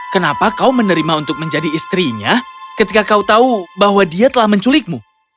kenapa kau menerima untuk menjadi istrinya ketika kau tahu bahwa dia telah menculikmu